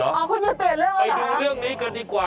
อ๋อคุณอยากเปลี่ยนเรื่องนั้นหรือเหรอ้าอันนี้ดูเรื่องนี้กันดีกว่า